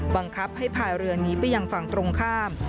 บังคับให้พายเรือหนีไปยังฝั่งตรงข้าม